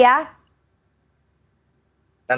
jadi gitu nana